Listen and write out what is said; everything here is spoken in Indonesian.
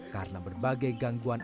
karena berbagai gangguan